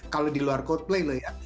kalau di luar coldplay loh ya